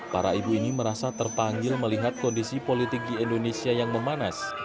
para ibu ini merasa terpanggil melihat kondisi politik di indonesia yang memanas